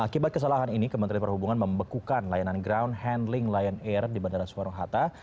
akibat kesalahan ini kementerian perhubungan membekukan layanan ground handling lion air di bandara soekarno hatta